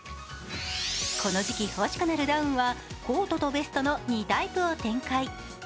この時期欲しくなるダウンは、コートとベストの２タイプを展開。